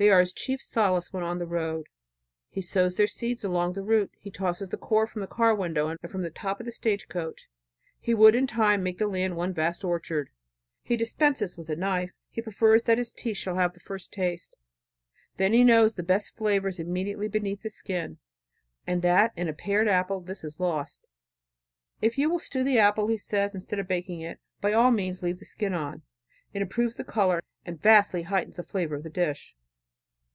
They are his chief solace when on the road. He sows their seed all along the route. He tosses the core from the car window and from the top of the stage coach. He would, in time, make the land one vast orchard. He dispenses with a knife. He prefers that his teeth shall have the first taste. Then he knows the best flavor is immediately beneath the skin, and that in a pared apple this is lost. If you will stew the apple, he says, instead of baking it, by all means leave the skin on. It improves the color and vastly heightens the flavor of the dish.